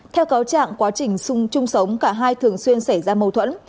theo cáo trạng quá trình sung chung sống cả hai thường xuyên xảy ra mâu thuẫn